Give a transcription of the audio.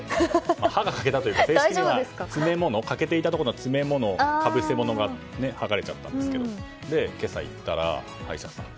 歯が欠けたというか正式には欠けていたところの詰め物かぶせ物が剥がれちゃったんですけど今朝行ったら、歯医者さんに。